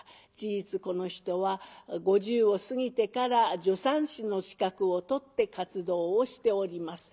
事実この人は５０を過ぎてから助産師の資格を取って活動をしております。